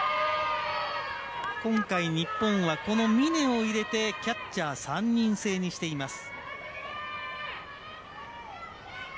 今回、日本はこの峰を入れてキャッチャー３人制にしています。